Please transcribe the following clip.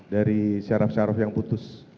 dari syaraf syaraf yang putus